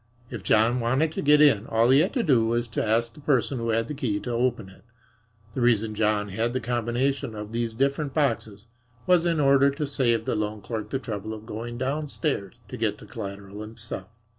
If John wanted to get in, all he had to do was to ask the person who had the key to open it. The reason John had the combination to these different boxes was in order to save the loan clerk the trouble of going downstairs to get the collateral himself.